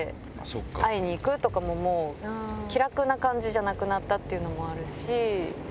会いにいくとかももう、気楽な感じじゃなくなったというのもあるし。